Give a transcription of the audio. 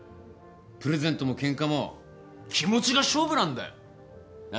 プレゼントもケンカも気持ちが勝負なんだよ。なあ？